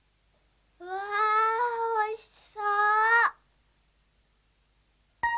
うわおいしそう。